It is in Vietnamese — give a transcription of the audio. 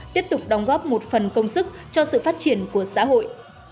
tiếp tục đóng góp một phần công sức cho sự phát triển của xã hội